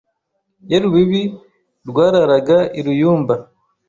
Ye Rubibi rwararaga i Ruyumba